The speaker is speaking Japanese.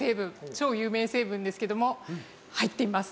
超有名成分ですけども入っています。